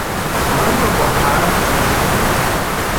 عمل را با حرف جورکن.